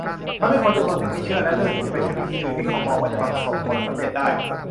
ทำให้คนจำนวนหนึ่งไม่เชื่อ และเลือกจะไปใช้วิธีอื่นที่เขามองว่าจะประสบผลสำเร็จได้